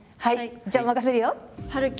じゃあ任せるよ。